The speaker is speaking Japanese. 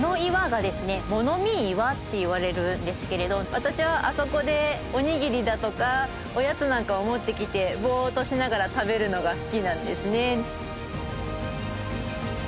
私はあそこでおにぎりだとかおやつなんかを持ってきてボーッとしながら食べるのが好きなんですね。